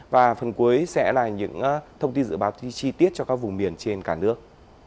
và phần cuối sẽ là những thông tin dự báo chi tiết cho các vùng miền trên cả nước